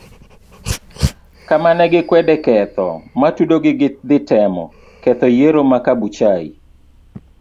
Kamane gikwede ketho matudogi gi dhi temo ketho yiero ma kabuchai.